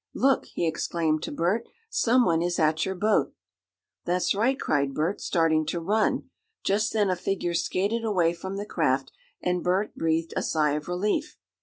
"Look!" he exclaimed to Bert, "someone is at your boat!" "That's right!" cried Bert, starting to run. Just then a figure skated away from the craft, and Bert breathed a sigh of relief.